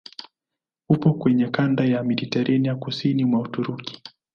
Upo kwenye kanda ya Mediteranea kusini mwa Uturuki.